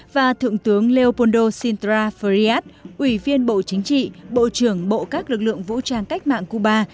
và thượng tướng neopoldo sintra freyad ủy viên bộ chính trị bộ trưởng bộ các lực lượng vũ trang cách mạng cuba